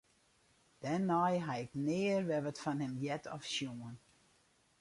Dêrnei ha ik nea wer wat fan him heard of sjoen.